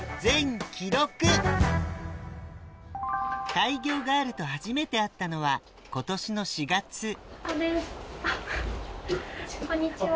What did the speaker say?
開業ガールと初めて会ったのは今年の４月こんにちは。